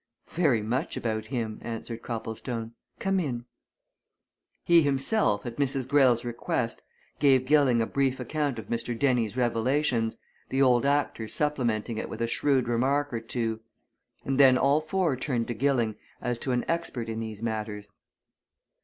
"Very much about him," answered Copplestone. "Come in." He himself, at Mrs. Greyle's request, gave Gilling a brief account of Mr. Dennie's revelations, the old actor supplementing it with a shrewd remark or two. And then all four turned to Gilling as to an expert in these matters.